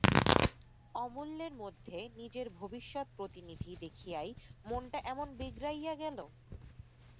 অমূল্যের মধ্যে নিজের ভবিষ্যৎ প্রতিনিধিকে দেখিয়াই মনটা এমন বিগড়াইয়া গেল?